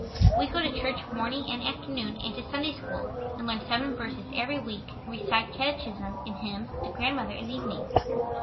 We go to church morning and afternoon and to Sunday School, and learn seven verses every week and recite catechism and hymns to Grandmother in the evening.